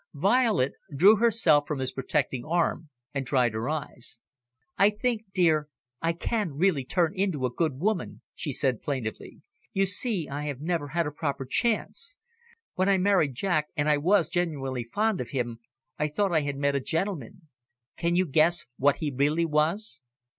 Violet drew herself from his protecting arm, and dried her eyes. "I think, dear, I can really turn into a good woman," she said plaintively. "You see, I have never had a proper chance. When I married Jack, and I was genuinely fond of him, I thought I had met a gentleman. Can you guess what he really was?"